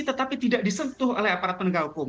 tetapi tidak disentuh oleh aparat penegak hukum